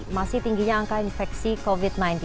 masih tingginya angka infeksi covid sembilan belas